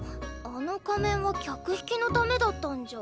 あの仮面は客引きのためだったんじゃ？